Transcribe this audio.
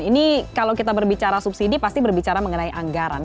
ini kalau kita berbicara subsidi pasti berbicara mengenai anggaran